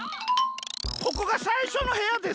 ここがさいしょのへやです。